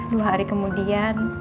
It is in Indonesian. dua hari kemudian